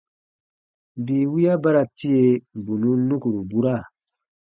Bii wiya ba ra tie, bù nùn nukuru bura.